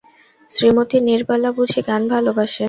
শ্রীমতী নীরবালা বুঝি গান ভালোবাসেন?